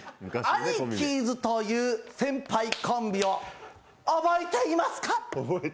アニキーズという先輩コンビを覚えていますか？